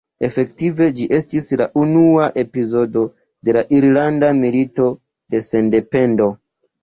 Efektive ĝi estis la unua epizodo de la Irlanda Milito de Sendependo.